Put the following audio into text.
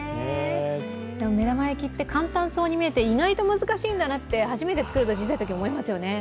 目玉焼きって簡単そうに見えて、意外と難しいんだなと、初めて作ると、小さいとき、思いますよね。